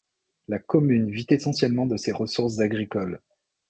La commune vit essentiellement de ses ressources agricoles.